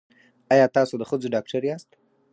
ایا تاسو د ښځو ډاکټر یاست؟